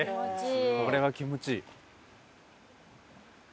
これは気持ちいい。